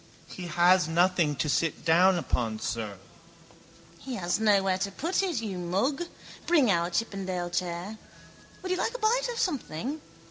—He has nothing to sit down on, sir. —He has nowhere to put it, you mug. Bring in our chippendale chair. Would you like a bite of something?